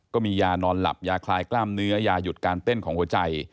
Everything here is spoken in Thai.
ก็มียานอนหลับยาคลายกล้ามเนื้อยาหยุดการเต้นของหัวใจ